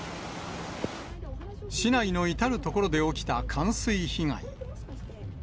市内の至る所で起きた冠水被害。